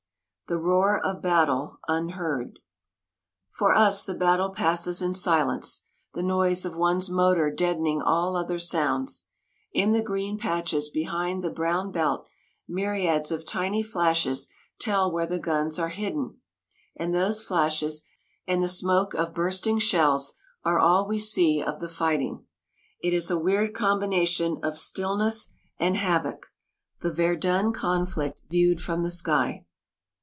THE ROAR OF BATTLE UNHEARD For us the battle passes in silence, the noise of one's motor deadening all other sounds. In the green patches behind the brown belt myriads of tiny flashes tell where the guns are hidden; and those flashes, and the smoke of bursting shells, are all we see of the fighting. It is a weird combination of stillness and havoc, the Verdun conflict viewed from the sky.